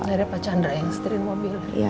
akhirnya pak chandra yang setirin mobil